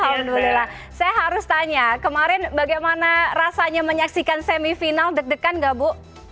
alhamdulillah saya harus tanya kemarin bagaimana rasanya menyaksikan semifinal deg degan gak bu